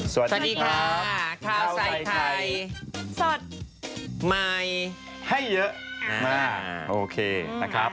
สวัสดีค่ะข้าวใส่ไข่สดใหม่ให้เยอะมากโอเคนะครับ